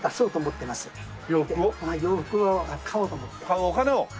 あっお金を。